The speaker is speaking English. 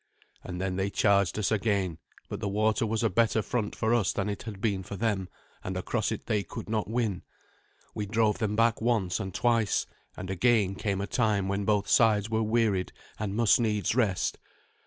And then they charged us again; but the water was a better front for us than it had been for them, and across it they could not win. We drove them back once and twice; and again came a time when both sides were wearied and must needs rest.